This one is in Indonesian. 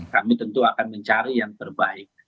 kami tentu akan mencari yang terbaik